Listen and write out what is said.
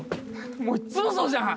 もういっつもそうじゃん！